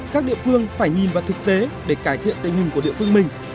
các địa phương phải nhìn vào thực tế để cải thiện tình hình của địa phương mình